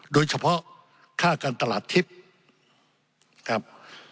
โดยเฉพาะค่าการตลาดทิพย์ครับ